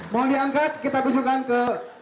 mau diangkat kita tunjukkan ke